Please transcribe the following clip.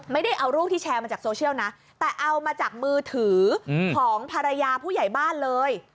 ไม่ได้เอารูปที่แชร์มาจากโซเชียลนะแต่เอามาจากมือถือของภรรยาผู้ใหญ่บ้านเลย